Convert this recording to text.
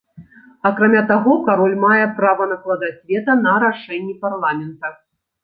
Акрамя таго, кароль мае права накладаць вета на рашэнні парламента.